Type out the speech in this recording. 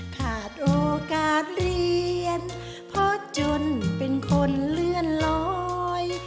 ขาดโอกาสเรียนเพราะจนเป็นคนเลื่อนลอย